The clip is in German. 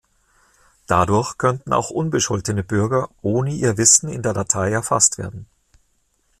Dadurch könnten auch unbescholtene Bürger ohne ihr Wissen in der Datei erfasst werden.